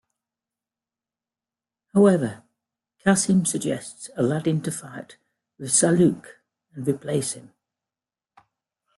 However, Cassim suggests Aladdin to fight with Sa'luk and replace him.